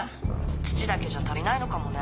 土だけじゃ足りないのかもね。